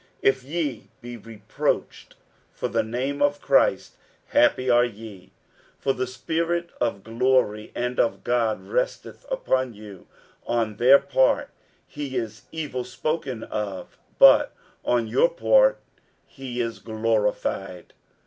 60:004:014 If ye be reproached for the name of Christ, happy are ye; for the spirit of glory and of God resteth upon you: on their part he is evil spoken of, but on your part he is glorified.